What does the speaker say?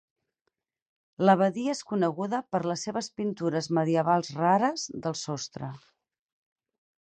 L'abadia es coneguda per les seves pintures medievals rares del sostre.